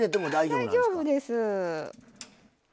大丈夫です。